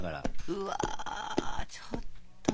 うわちょっと。